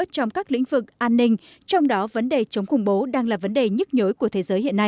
xin chào và hẹn gặp lại